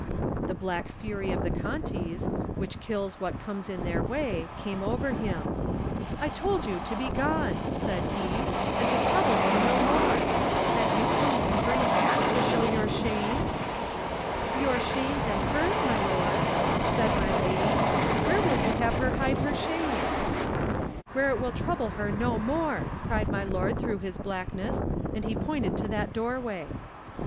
"The black fury of the Contis, which kills what comes in their way, came over him. "^I told you to begone,' said he, *and to trouble me no more. Have you come whim pering back to show your shame?' "*Your shame and hers, my lord,' said Digitized by Google Digitized by Google Digitized by Google THE NINTH MAN my lady. * Where will you have her hide her shame?' "* Where it will trouble her no more,' cried my lord through his blackness, and he pointed to that doorway."